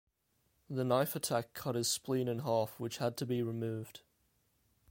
The knife attack cut his spleen in half which had to be removed.